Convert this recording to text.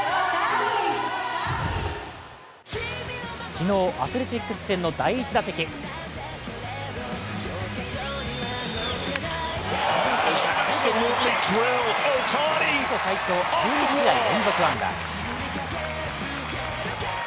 昨日、アスレチックス戦の第１打席自己最長１２試合連続安打。